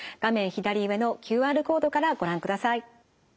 左上のＱＲコードからご覧ください。